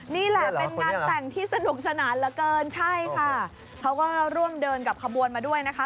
นี่แหละเป็นงานแต่งที่สนุกสนานเหลือเกินใช่ค่ะเขาก็ร่วมเดินกับขบวนมาด้วยนะคะ